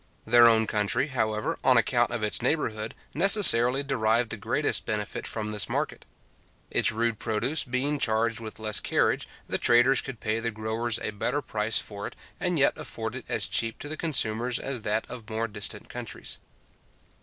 Their own country, however, on account of its neighbourhood, necessarily derived the greatest benefit from this market. Its rude produce being charged with less carriage, the traders could pay the growers a better price for it, and yet afford it as cheap to the consumers as that of more distant countries.